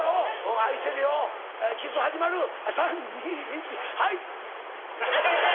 愛してるよキス始まる３・２・１はい！